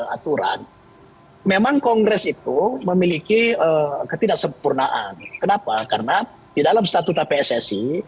aturan memang kongres itu memiliki ketidaksempurnaan kenapa karena di dalam statuta pssi